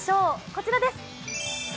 こちらです。